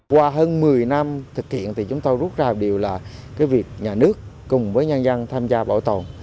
qua hơn một mươi năm thực hiện thì chúng tôi rút ra một điều là cái việc nhà nước cùng với nhân dân tham gia bảo tồn